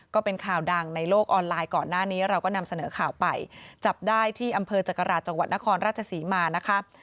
ก็เป็นข่าวดังในโลกออนไลน์ก่อนหน้านี้เราก็นำเสนอข่าวไปจับได้ที่อำเภอจักราชจังหวัดนครราชศรีมานะคะ